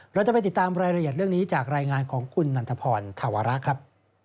เราจะไปติดตามรายละเอียดเรื่องนี้จากรายงานของคุณนันทพรธาวระครับ